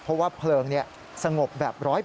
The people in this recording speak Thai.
เพราะว่าเพลิงสงบแบบ๑๐๐